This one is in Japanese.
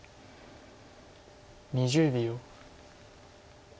２０秒。